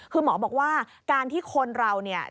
คือหมอบอกว่าการที่คนเราเนี่ย